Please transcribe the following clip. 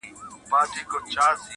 اوس به څوك د پاني پت په توره وياړي٫